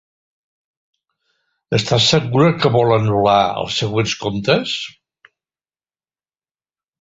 Estar segura que vol anul·lar els següents comptes?